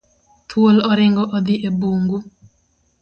Thuol oringo odhi e bungu.